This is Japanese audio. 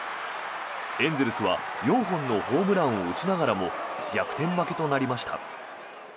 エンゼルスは４本のホームランを打ちながらも逆転負けとなりました。